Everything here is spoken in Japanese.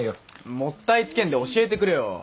もったいつけんで教えてくれよ。